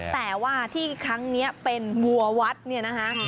แต่ว่าที่ครั้งนี้เป็นวัววัดเนี่ยนะคะ